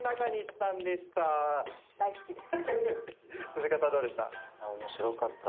鈴鹿さんどうでした？